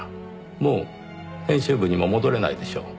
もう編集部にも戻れないでしょう。